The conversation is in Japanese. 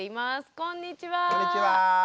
こんにちは。